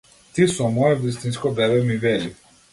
Ти со мое вистинско бебе, ми вели.